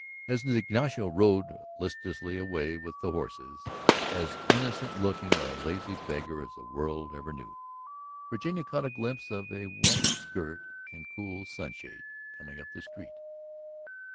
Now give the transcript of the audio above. As Ignacio rode listlessly away with the horses, as innocent looking a lazy beggar as the world ever knew, Virginia caught a glimpse of a white skirt and cool sunshade coming up the street.